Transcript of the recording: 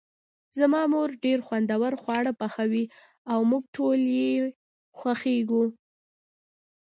زما مور ډیر خوندور خواړه پخوي او موږ ټول یی خوښیږو